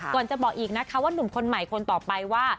จะบอกอีกนะคะว่าหนุ่มคนใหม่คนต่อไปว่า